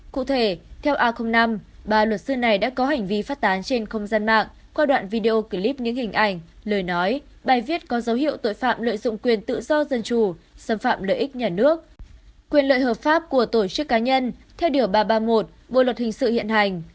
cụ thể theo a năm ba luật sư này đã có hành vi phát tán trên không gian mạng qua đoạn video clip những hình ảnh lời nói bài viết có dấu hiệu tội phạm lợi dụng quyền tự do dân chủ xâm phạm lợi ích nhà nước quyền lợi hợp pháp của tổ chức cá nhân theo điều ba trăm ba mươi một bộ luật hình sự hiện hành